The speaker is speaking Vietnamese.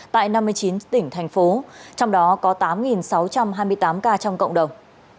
tại năm mươi chín tỉnh thành phố trong đó có tám sáu trăm hai mươi tám ca trong cộng đồng